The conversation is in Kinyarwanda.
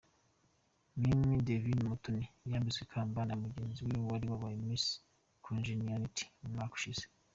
Mimy Divine Umutoni yambitswe ikamba na mugenzi we wari wabaye Miss Congeniality umwaka ushize.